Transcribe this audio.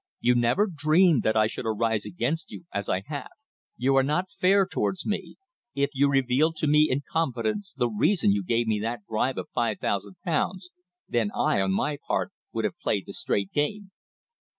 "You never dreamed that I should arise against you, as I have. You are not fair towards me! If you revealed to me in confidence the reason you gave me that bribe of five thousand pounds, then I, on my part, would have played the straight game."